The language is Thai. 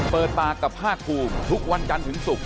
เปิดปากกับภาคภูมิทุกวันจันทร์ถึงศุกร์